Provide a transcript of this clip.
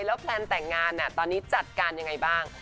แล้วแพลนแต่งงานตอนนี้จัดการยังไงบ้าง